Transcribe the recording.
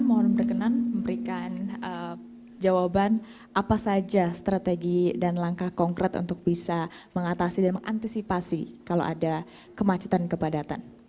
mohon berkenan memberikan jawaban apa saja strategi dan langkah konkret untuk bisa mengatasi dan mengantisipasi kalau ada kemacetan kepadatan